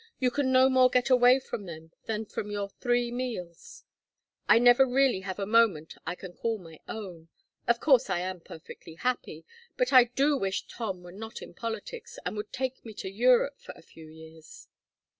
You can no more get away from them than from your three meals; I never really have a moment I can call my own. Of course I am perfectly happy, but I do wish Tom were not in politics and would take me to Europe for a few years."